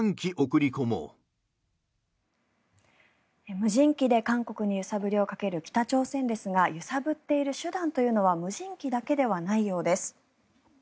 無人機で韓国に揺さぶりをかける北朝鮮ですが揺さぶっている手段というのは無人機だけではないようです。